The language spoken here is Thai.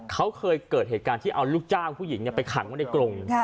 เขาเคยเกิดเหตุการณ์ที่เอาลูกจ้างผู้หญิงไปขังไว้ในกรง